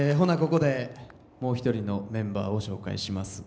ここでもう一人のメンバーを紹介します。